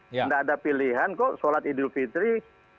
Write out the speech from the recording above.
tidak ada pilihan kok sholat idul fitri